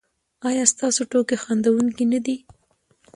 ایا ستاسو ټوکې خندونکې نه دي؟